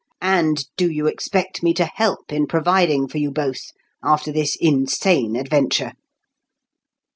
And do you expect me to help in providing for you both after this insane adventure?"